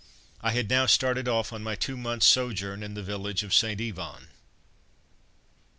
I had now started off on my two months' sojourn in the village of St. Yvon.